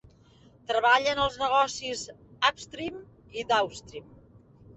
Treballa en els negocis Upstream i Downstream.